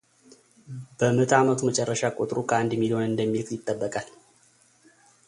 በምዕተ ዓመቱ መጨረሻ ቁጥሩ ከአንድ ሚሊዮን እንደሚልቅ ይጠበቃል።